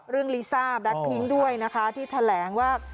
เรื่องลีซ่าแบทพิ้งด้วยนะคะที่แถลงว่า